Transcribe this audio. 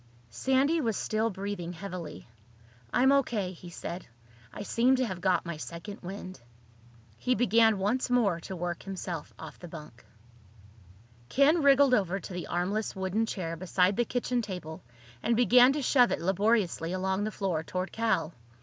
Sandy was still breathing heavily. "I'm O.K.," he said. "I seem to have got my second wind." He began once more to work himself off the bunk. Ken wriggled over to the armless wooden chair beside the kitchen table and began to shove it laboriously along the floor toward Cal.